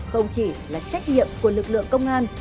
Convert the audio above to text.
không chỉ là trách nhiệm của lực lượng công an